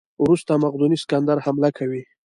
وروسته مقدوني سکندر حمله کوي.